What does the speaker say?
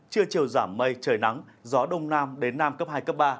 trưa chiều giảm mây trời nắng gió đông nam đến nam cấp hai cấp ba